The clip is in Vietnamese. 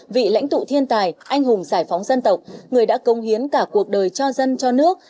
vị lãnh tụ thiên tài anh hùng giải phóng dân tộc người đã công hiến cả cuộc đời cho dân cho nước